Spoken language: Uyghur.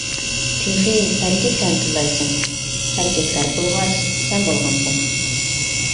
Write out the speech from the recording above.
تېخى ئەركەكلەرنى تىللايسەن، ئەركەكلەر بولغاچ سەن بولغانسەن.